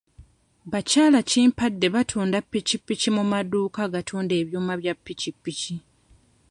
Bakyalakimpadde batunda pikipiki mu madduuka agatunda ebyuma bya pikipiki.